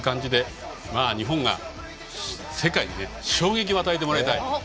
日本が世界に衝撃を与えてもらいたい。